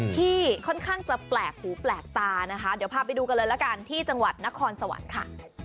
ที่ค่อนข้างจะแปลกหูแปลกตานะคะเดี๋ยวพาไปดูกันเลยละกันที่จังหวัดนครสวรรค์ค่ะ